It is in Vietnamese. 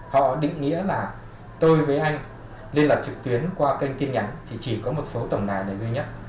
họ định nghĩa là tôi với anh liên lạc trực tuyến qua kênh tin nhắn thì chỉ có một số tổng đài này duy nhất